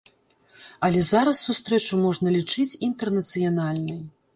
Але зараз сустрэчу можна лічыць інтэрнацыянальнай.